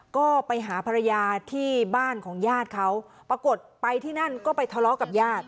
ก็ไปหาภรรยาที่บ้านของญาติเขาปรากฏไปที่นั่นก็ไปทะเลาะกับญาติ